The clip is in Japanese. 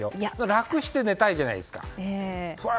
楽して寝たいじゃないですか。